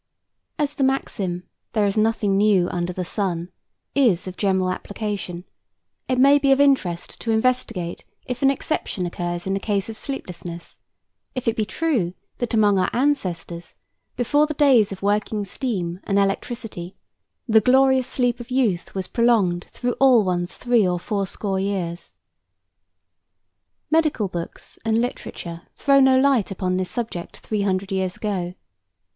As the maxim, "There is nothing new under the sun," is of general application, it may be of interest to investigate if an exception occurs in the case of sleeplessness; if it be true that among our ancestors, before the days of working steam and electricity, the glorious sleep of youth was prolonged through all one's three or four score years. Medical books and literature throw no light upon this subject three hundred years ago.